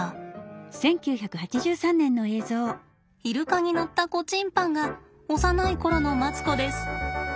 イルカに乗った子チンパンが幼いころのマツコです。